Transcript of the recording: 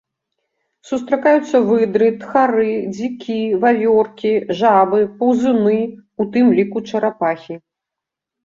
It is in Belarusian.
Сустракаюцца выдры, тхары, дзікі, вавёркі, жабы, паўзуны, у тым ліку чарапахі.